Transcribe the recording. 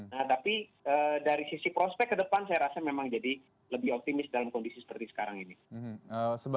nah tapi dari sisi prospek ke depan saya rasa memang jadi lebih optimis dalam kondisi seperti sekarang ini